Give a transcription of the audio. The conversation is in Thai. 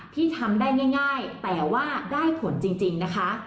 ที่ทำได้ง่ายแต่ว่าได้ผลจริงนะคะ